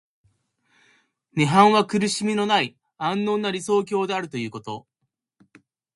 涅槃は苦しみのない安穏な理想郷であるということ。